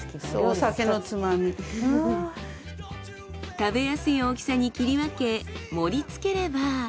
食べやすい大きさに切り分け盛り付ければ。